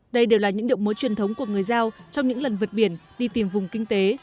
đây đều là những điệu múa truyền thống của người giao trong những lần vượt biển đi tìm vùng kinh tế